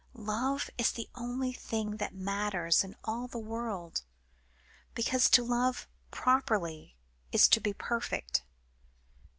"Love is the only thing that matters in all the world, because to love properly is to be perfect.